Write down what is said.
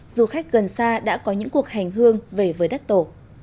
du khách gần xa đã có những cuộc hành hương về với đất tổ